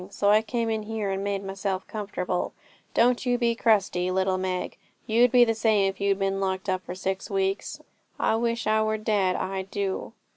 So I came in here, and made myself comfortable. Don't you be crusty, little Meg. You'd be the same if you'd been locked up for six weeks. I wish I were dead, I do.'